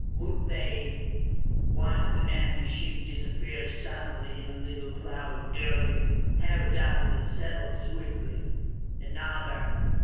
Would they One of the enemy ships disappeared suddenly in a little cloud of dirty, heavy dust that settled swiftly. Another